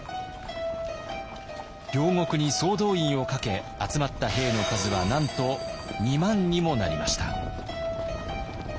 領国に総動員をかけ集まった兵の数はなんと２万にもなりました。